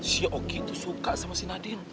si oki tuh suka sama si nadin